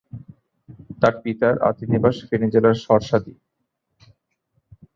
তার পিতার আদিনিবাস ফেনী জেলার শর্শাদি।